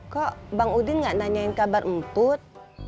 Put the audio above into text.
kok bang udin gak nanyain kabar emput